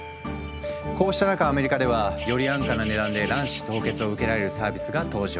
こうした中アメリカではより安価な値段で卵子凍結を受けられるサービスが登場。